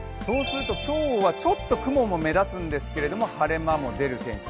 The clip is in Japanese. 今日はちょっと雲も目立つんですけれども晴れ間も目立つ天気。